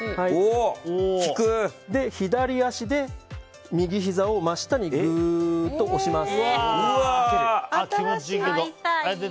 左足で右ひざを真下にグーッと押します。